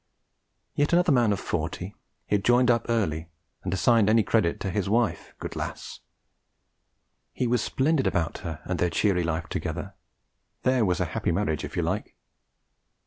Yet another man of forty, he had joined up early, and assigned any credit to his wife 'good lass!' He was splendid about her and their cheery life together; there was a happy marriage, if you like!